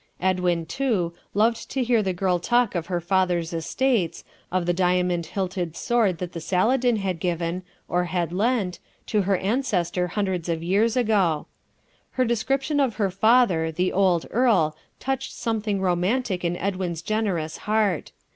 Edwin, too, loved to hear the girl talk of her father's estates, of the diamond hilted sword that the saladin had given, or had lent, to her ancestor hundreds of years ago. Her description of her father, the old earl, touched something romantic in Edwin's generous heart.